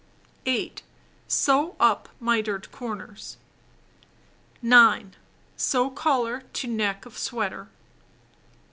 8. Sew up mitered corners. 9. Sew collar to neck of sweater.